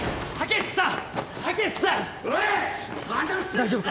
大丈夫か？